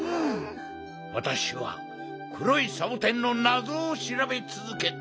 わたしはくろいサボテンのなぞをしらべつづけた。